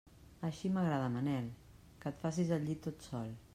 Així m'agrada, Manel, que et facis el llit tot sol.